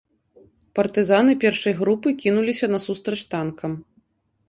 Партызаны першай групы кінуліся насустрач танкам.